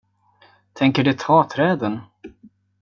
Tänker de ta träden?